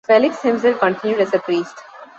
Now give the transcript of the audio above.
Felix himself continued as a priest.